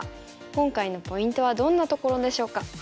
今回のポイントはどんなところでしょうか。